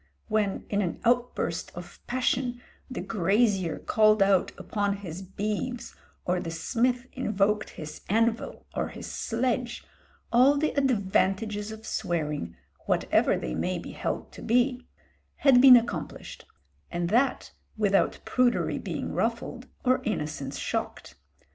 When, in an outburst of passion, the grazier called out upon his beeves, or the smith invoked his anvil or his sledge, all the advantages of swearing, whatever they may be held to be, had been accomplished, and that without prudery being ruffled or innocence shocked.